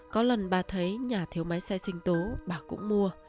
có lần bà thấy nhà thiếu máy xe sinh tố bà cũng mua